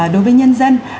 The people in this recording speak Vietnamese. đối với nhân dân